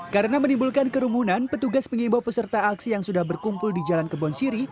karena menimbulkan kerumunan petugas mengimbau peserta aksi yang sudah berkumpul di jalan kebon siri